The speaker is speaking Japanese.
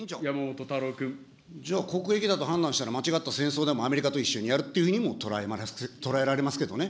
じゃあ、国益だと判断したら間違った戦争でもアメリカと一緒にやるっていうふうにも捉えられますけどね。